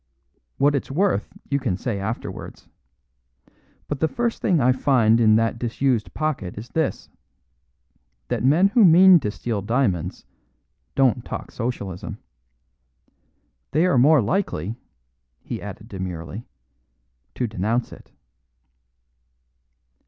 "What it's worth you can say afterwards. But the first thing I find in that disused pocket is this: that men who mean to steal diamonds don't talk Socialism. They are more likely," he added demurely, "to denounce it."